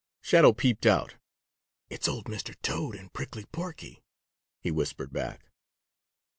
Shadow peeped out. "It's old Mr. Toad and Prickly Porky," he whispered back.